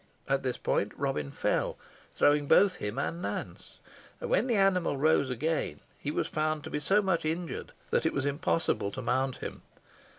At this point Robin fell, throwing both him and Nance, and when the animal rose again he was found to be so much injured that it was impossible to mount him.